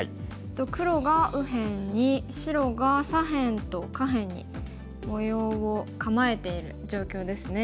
黒が右辺に白が左辺と下辺に模様を構えている状況ですね。